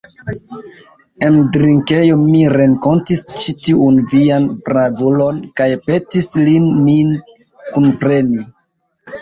En drinkejo mi renkontis ĉi tiun vian bravulon kaj petis lin min kunpreni.